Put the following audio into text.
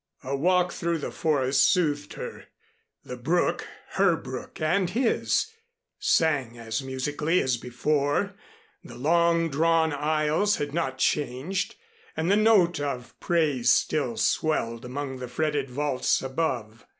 A walk through the forest soothed her. The brook her brook and his sang as musically as before, the long drawn aisles had not changed, and the note of praise still swelled among the fretted vaults above.